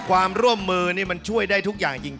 ความร่วมมือนี่มันช่วยได้ทุกอย่างจริง